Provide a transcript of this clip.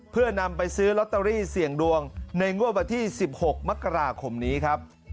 เพื่อนำไปซื้อลอตเตอรี่เสี่ยงดวงในงวดวันที่๑๖มกราคมนี้ครับ